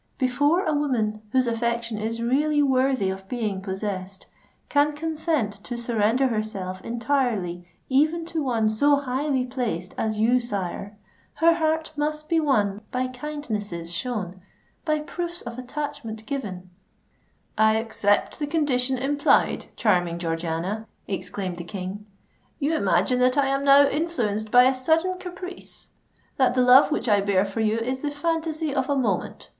"Before a woman, whose affection is really worthy of being possessed, can consent to surrender herself entirely even to one so highly placed as you, sire, her heart must be won by kindnesses shown—by proofs of attachment given——" "I accept the condition implied, charming Georgiana," exclaimed the King. "You imagine that I am now influenced by a sudden caprice—that the love which I bear for you is the phantasy of a moment.